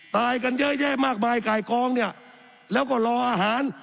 ตายกันเยอะแยะมากมายไก่กองเนี่ยแล้วก็รออาหาร